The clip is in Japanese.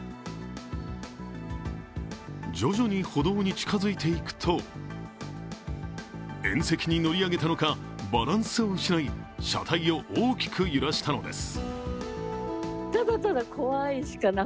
徐々に歩道に近づいていくと縁石に乗り上げたのかバランスを失い車体を大きく揺らしたのです。